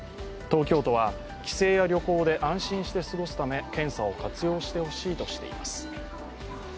東京都は帰省や旅行で安心して過ごすため検査を活用してほしいとしています。